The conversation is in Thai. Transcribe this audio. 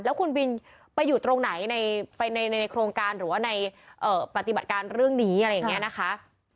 แล้วคุณบินไปอยู่ตรงไหนในโครงการหรือว่าในปฏิบัติการเรื่องนี้อะไรอย่างนี้นะคะ